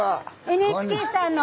ＮＨＫさんの。